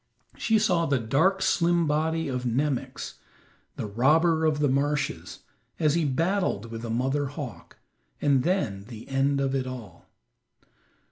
She saw the dark, slim body of Nemox, the robber of the marshes, as he battled with the mother hawk, and then the end of it all.